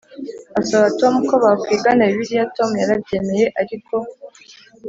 asaba Tom ko bakwigana Bibiliya Tom yarabyemeye ariko